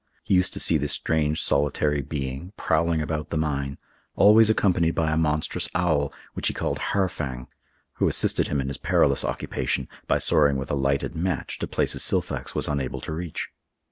He used to see this strange solitary being, prowling about the mine, always accompanied by a monstrous owl, which he called Harfang, who assisted him in his perilous occupation, by soaring with a lighted match to places Silfax was unable to reach.